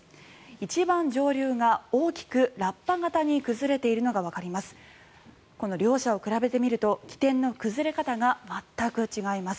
一番上流が大きくラッパ形に崩れているのがわかります。